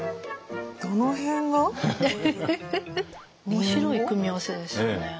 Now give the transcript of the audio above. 面白い組み合わせですよね。